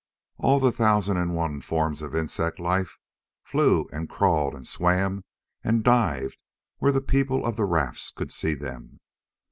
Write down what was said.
All the thousand and one forms of insect life flew and crawled and swam and dived where the people of the rafts could see them.